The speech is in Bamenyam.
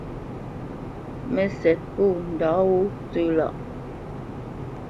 Mə́sɛ̌t pô ndǎ wó tsə̄ lâʼ.